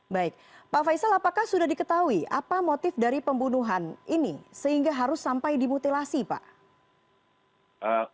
baik pak faisal apakah sudah diketahui apa motif dari pembunuhan ini sehingga harus sampai dimutilasi pak